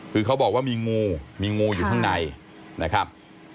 คือเขาบอกว่ามีงูมีงูอยู่ข้างในนะครับ